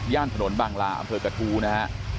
ย่านถนนบังราอำเตอร์กระทูนะ